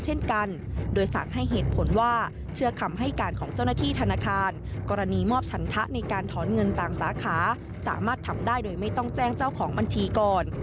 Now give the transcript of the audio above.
แจ้งเจ้าของบัญชีก่อน